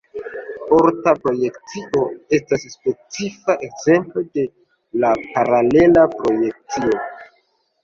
Orta projekcio estas specifa ekzemplo de paralela projekcio.